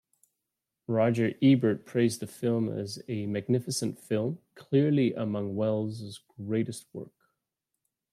Roger Ebert praised the film as a magnificent film, clearly among Welles' greatest work.